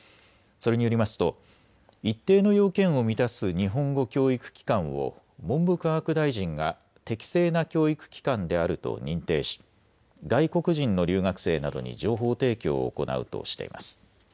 それによりますと一定の要件を満たす日本語教育機関を文部科学大臣が適正な教育機関であると認定し外国人の留学生などに情報提供を行うとしています。